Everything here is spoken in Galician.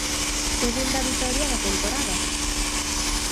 Segunda vitoria da temporada.